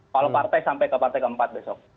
kalau partai sampai ke partai ke empat besok